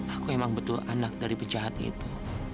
aku emang betul anak dari penjahat itu